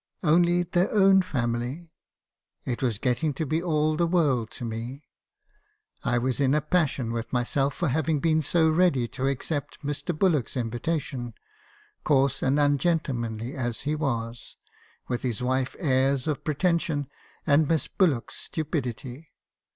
' Only their own family.' It was getting to be all the world to me. I was in a passion with myself for having been so ready to accept Mr. Bullock's invitation, — coarse and ungentlemanly as he was ; with his wife's airs of pre me. haeeison's confessions. 275 tension, and Miss Bullock's stupidity.